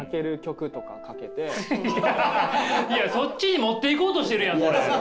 いやそっちに持っていこうとしてるやんこれ！